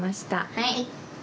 はい。